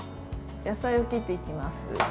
野菜を切っていきます。